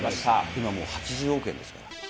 今もう８０億円ですから。